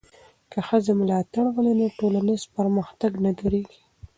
که ښځې ملاتړ ولري، ټولنیز پرمختګ نه درېږي.